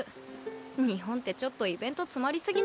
日本ってちょっとイベント詰まりすぎなんですよ。